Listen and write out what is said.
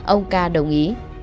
ông ca đồng ý